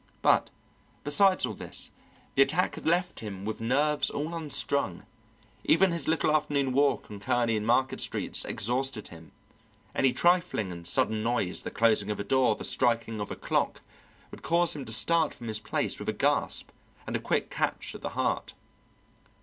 But, besides all this, the attack had left him with nerves all unstrung; even his little afternoon walk on Kearney and Market streets exhausted him; any trifling and sudden noise, the closing of a door, the striking of a clock, would cause him to start from his place with a gasp and a quick catch at the heart.